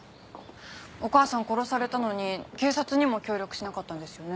お母さん殺されたのに警察にも協力しなかったんですよね。